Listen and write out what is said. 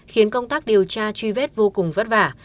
khiến công tác điều tra truy vết vô cùng vất vả